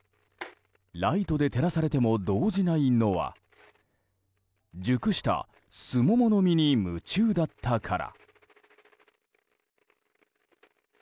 ライトで照らされても動じないのは熟したスモモの実に夢中だったから。